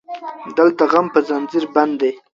دلته غم په زنځير بند دی